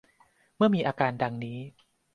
เมื่อมีอาการดังนี้